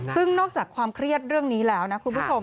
ซึ่งนอกจากความเครียดเรื่องนี้แล้วนะคุณผู้ชม